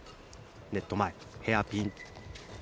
ネット前、ヘアピン。